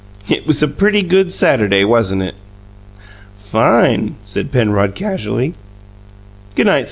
"It was a pretty good Saturday, wasn't it?" "Fine!" said Penrod casually. "G' night, Sam."